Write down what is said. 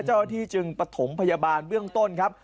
เจ้าหน้าที่จึงปฐมพยาบาลเบื้องต้นครับ